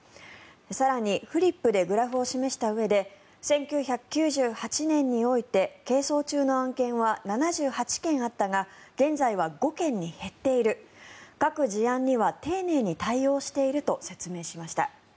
更に、フリップでグラフを示したうえで１９９８年において係争中の案件は７８件あったが現在は５件に減っている各事案には丁寧に対応していると説明しました。